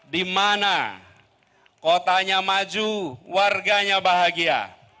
di mana kotanya maju warganya bahagia